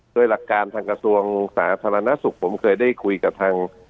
โดยหลักการทางกระทรวงสาธารณสุขผมเคยได้คุยกับทาง